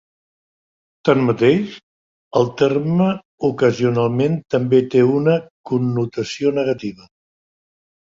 Tanmateix, el terme ocasionalment també té una connotació negativa.